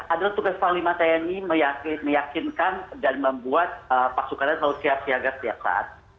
ada tugas panglima tni meyakinkan dan membuat pasukan selalu siap siap saat